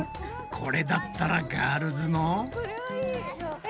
これだったらガールズも。